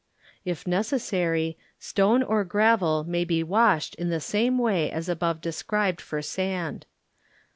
If neces sary, stone or gravel may be washed in the same way as above described tor sand.